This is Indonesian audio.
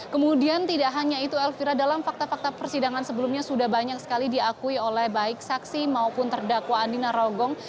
kemudian tidak hanya itu elvira dalam fakta fakta persidangan sebelumnya sudah banyak sekali diakui oleh baik saksi maupun terdakwa andi narogong